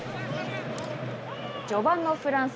序盤のフランス。